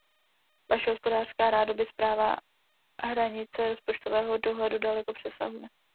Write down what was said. Vaše hospodářská rádoby správa hranice rozpočtového dohledu daleko přesahuje.